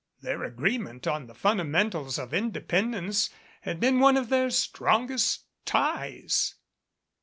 Their agreement on the funda mentals of independence had been one of their strongest ties.